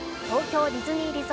東京ディズニー